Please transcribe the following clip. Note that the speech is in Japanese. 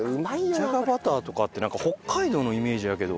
じゃがバターとかってなんか北海道のイメージやけど。